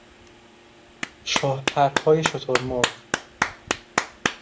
شاهپرهای شتر مرغ